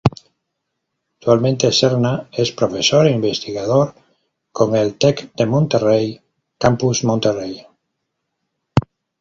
Actualmente Serna es profesor e investigador con el Tec de Monterrey, Campus Monterrey.